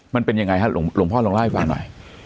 มันเป็นยังไงฮะหลวงพ่อลองเล่าให้ฟังหน่อย